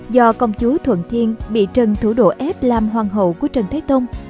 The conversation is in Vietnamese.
do công chúa thuận thiên bị trần thủ đổ ép làm hoàng hậu của trần thái tông